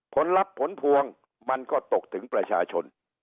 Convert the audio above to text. ผลลัพธ์ผลพวงมันก็ตกถึงประชาชน